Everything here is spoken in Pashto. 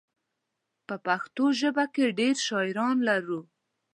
په پښتو ژبه کې ډېر شاعران لرو.